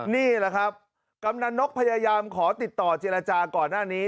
นี่แหละครับกำนันนกพยายามขอติดต่อเจรจาก่อนหน้านี้